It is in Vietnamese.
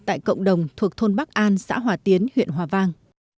tại cộng đồng thuộc thôn bắc an xã hòa tiến huyện hòa vang